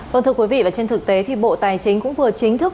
vâng thưa quý vị và trên thực tế thì bộ tài chính cũng vừa chính thức